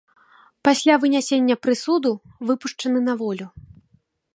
Пасля вынясення прысуду, выпушчаны на волю.